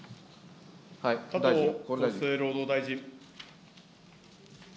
加藤厚生労働大臣。